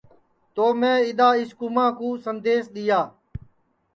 تو اِدؔا میں اِس کُوماں کُو سندیس دؔیا